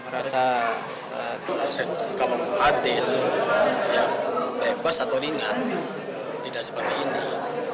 rasa kalau adil ya bebas atau ringan tidak seperti ini